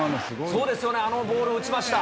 そうですよね、あのボールを打ちました。